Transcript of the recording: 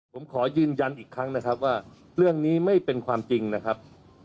ผมขอยืนยันอีกครั้งนะครับว่าเรื่องนี้ไม่เป็นความจริงนะครับ